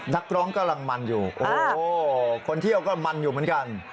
นักร้องกำลังมันอยู่โอ้โหคนเที่ยวก็มันอยู่เหมือนกัน